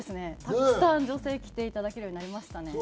たくさん女性来ていただけるようになりましたね。